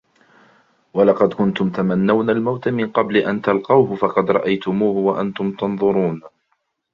وَلَقَدْ كُنْتُمْ تَمَنَّوْنَ الْمَوْتَ مِنْ قَبْلِ أَنْ تَلْقَوْهُ فَقَدْ رَأَيْتُمُوهُ وَأَنْتُمْ تَنْظُرُونَ